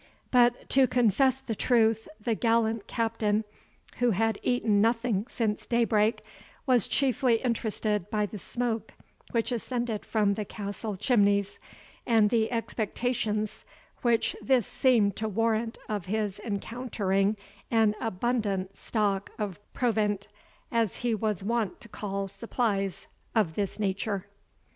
But, to confess the truth, the gallant Captain, who had eaten nothing since daybreak, was chiefly interested by the smoke which ascended from the castle chimneys, and the expectations which this seemed to warrant of his encountering an abundant stock of provant, as he was wont to call supplies of this nature.